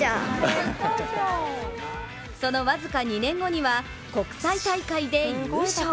その僅か２年後には、国際大会で優勝。